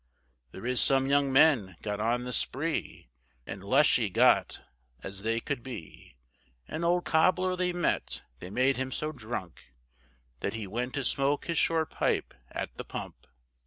There is some young men got on the spree, And lushey got as they could be, An old cobler they met, they made him so drunk, That he went to smoke his short pipe at the pump.